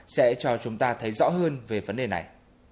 sẽ cho chúng ta thấy rõ hơn về vấn đề này